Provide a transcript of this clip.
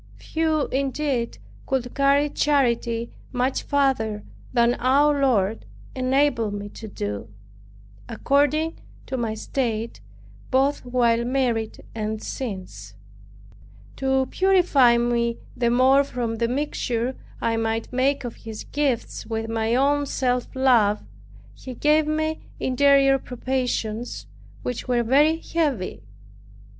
Few indeed could carry charity much farther than our Lord enabled me to do, according to my state, both while married and since. To purify me the more from the mixture I might make of His gifts with my own self love, He gave me interior probations, which were very heavy.